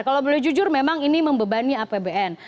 kalau boleh jujur memang ini membebani apbn